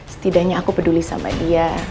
setidaknya aku peduli sama dia